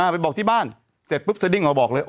ไปบอกที่บ้านเสร็จปุ๊บสดิ้งเอาบอกเลย